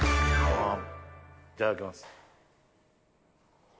いただきます。